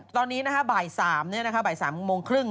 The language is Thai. ตอนนี้บ่าย๓โมงครึ่ง